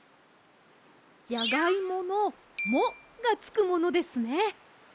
じゃがいもの「も」がつくものですね。